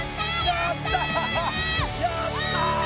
やった！